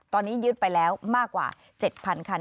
ตอนนี้ยึดไปแล้วมากกว่า๗๐๐คัน